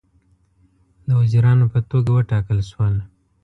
د وزیرانو په توګه وټاکل شول.